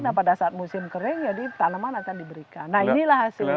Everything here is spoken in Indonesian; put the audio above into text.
nah pada saat musim kering jadi tanaman akan diberikan nah inilah hasilnya